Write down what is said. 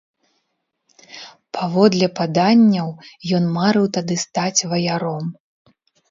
Паводле паданняў, ён марыў тады стаць ваяром.